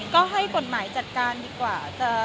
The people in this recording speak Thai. ก็ให้ปฏิบันหลายจัดการดีกว่า